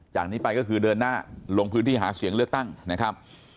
จากนี้ไปก็คือเดินหน้าลงพื้นที่หาเสียงเลือกตั้งนะครับ